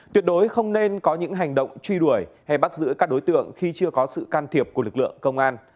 tuyệt đối không nên có những hành động truy đuổi hay bắt giữ các đối tượng khi chưa có sự can thiệp của lực lượng công an